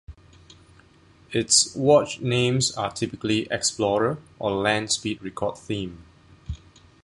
Its watch names are typically explorer or land speed record themed.